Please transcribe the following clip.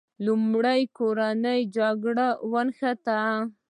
لومړی کورنۍ جګړه ونښته.